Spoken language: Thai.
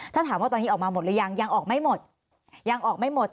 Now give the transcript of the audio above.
ถ้าถามว่าตอนนี้ออกมาหมดหรือยังยังออกไม่หมดยังออกไม่หมด